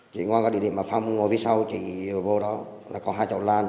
chỉ ngoan vào địa điểm mà phong ngồi phía sau chỉ vô đó là có hai chậu lan